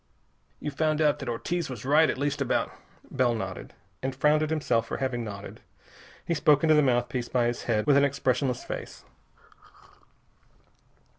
"You've found out that Ortiz was right at least about " Bell nodded, and frowned at himself for having nodded. He spoke into the mouthpiece by his head with an expressionless face.